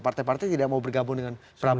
partai partai tidak mau bergabung dengan trump